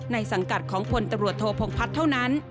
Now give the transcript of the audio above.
สังกัดของพลตำรวจโทพงพัฒน์เท่านั้น